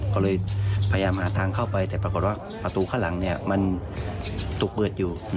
ก็เลยพยายามหาทางเข้าไปแต่ปรากฏว่าประตูข้างหลังมันถูกเปิดอยู่